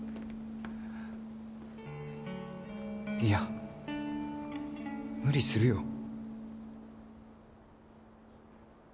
いや無理するよ。